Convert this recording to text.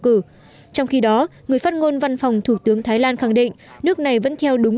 cử trong khi đó người phát ngôn văn phòng thủ tướng thái lan khẳng định nước này vẫn theo đúng